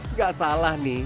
nggak salah nih